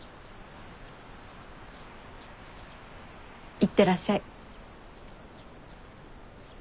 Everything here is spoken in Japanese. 行ってらっしゃい。